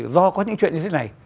do có những chuyện như thế này